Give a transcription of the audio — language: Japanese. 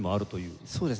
そうですね。